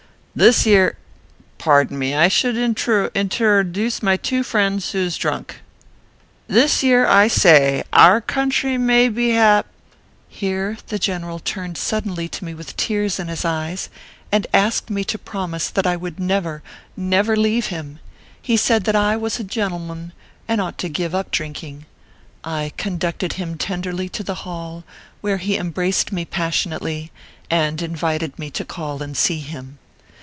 This year pardon me, I should intro interror oduce my two friends who is drunk this year I say, our country may be hap " Here the general turned suddenly to me with tears in his eyes, and asked me to promise that I would never, never leave him. He said that I was a genTm n, and ought to give up drinking. I con ducted him tenderly to the hall, where he em braced me passionately, and invited me to call and see him.